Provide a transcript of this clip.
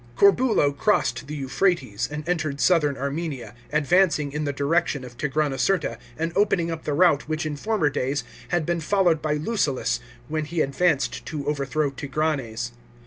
Corbulo crossed the Euphrates, and entered southern Armenia, advancing in the direction of Tigranocerta, and opening up the route which in former days had been followed by Lucullus when he advanced to overthrow Tigranes.